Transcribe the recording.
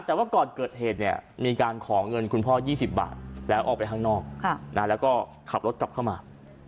แต่ว่าก่อนเกิดเหตุเนี่ยมีการขอเงินคุณพ่อ๒๐บาทแล้วออกไปข้างนอกแล้วก็ขับรถกลับเข้ามา